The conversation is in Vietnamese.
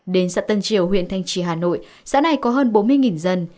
đến xã tân triều huyện thanh trì hà nội xã này có hơn bốn mươi dân